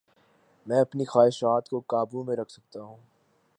میں اپنی خواہشات کو قابو میں رکھ سکتا ہوں